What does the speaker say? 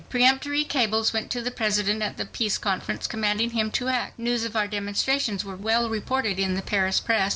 Peremptory cables went to the President at the Peace Conference, commanding him to act. News of our demonstrations were well reported in the Paris press.